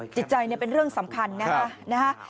จิตใจเป็นเรื่องสำคัญนะฮะ